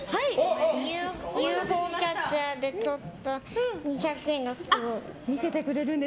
ＵＦＯキャッチャーでとった２００円の。